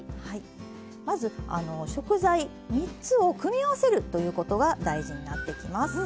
まず食材３つを組み合わせるということが大事になってきます。